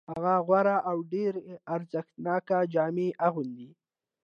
هغه غوره او ډېرې ارزښتناکې جامې اغوندي